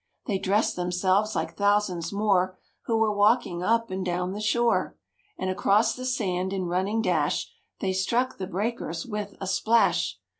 They dressed themselves like thousands more Who were walking up and down the shore; And across the sand in running dash They struck the breakers with a splash.